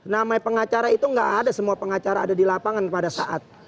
namanya pengacara itu nggak ada semua pengacara ada di lapangan pada saat